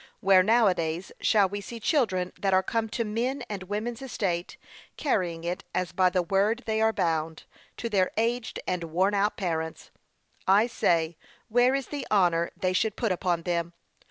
Where now a days shall we see children that are come to men and women's estate, carry it as by the word they are bound, to their aged and worn out parents? I say, where is the honour they should put upon them?